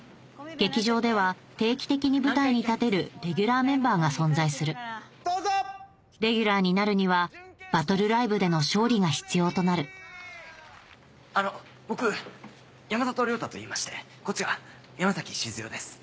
劇場では定期的に舞台に立てるレギュラーメンバーが存在するレギュラーになるにはバトルライブでの勝利が必要となるあの僕山里亮太といいましてこっちは山崎静代です。